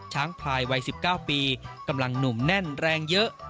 พลายวัย๑๙ปีกำลังหนุ่มแน่นแรงเยอะ